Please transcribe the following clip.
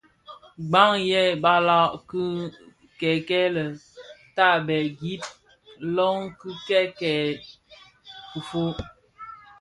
Bàng yêê balag kikèèkel tààbêê, gib lóng kikèèkel kifôg.